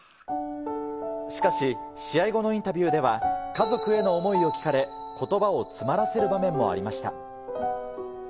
しかし、試合後のインタビューでは、家族への思いを聞かれ、ことばを詰まらせる場面もありました。